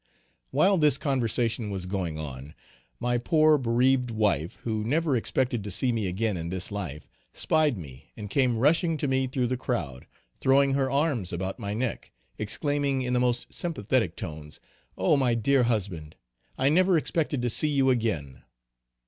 While this conversation was going on, my poor bereaved wife, who never expected to see me again in this life, spied me and came rushing to me through the crowd, throwing her arms about my neck exclaiming in the most sympathetic tones, "Oh! my dear husband! I never expected to see you again!"